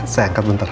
saya angkat bentar